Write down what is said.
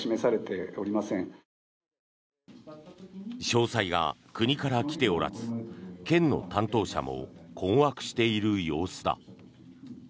詳細が国から来ておらず県の担当者も困惑している様子だ。